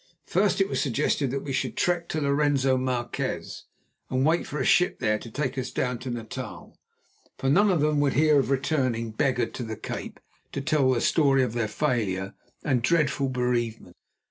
First it was suggested that we should trek to Lorenzo Marquez, and wait for a ship there to take us down to Natal, for none of them would hear of returning beggared to the Cape to tell the story of their failure and dreadful bereavements.